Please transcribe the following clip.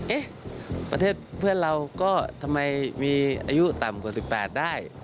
เอ๊ะประเทศเพื่อนเราก็ทำไมมีอายุต่ำกว่า๑๘ได้